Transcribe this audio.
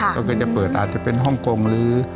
ก็คือจะเปิดอาจจะเป็นฮ่องกงหรือ